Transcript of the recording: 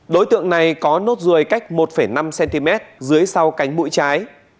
đối tượng này có nốt ruồi cách một năm cm dưới sau cánh mũi trái